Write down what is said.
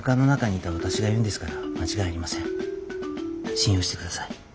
信用してください。